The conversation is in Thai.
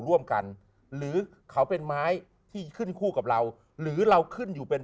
ร่วมกันหรือเขาเป็นไม้ที่ขึ้นคู่กับเราหรือเราขึ้นอยู่เป็น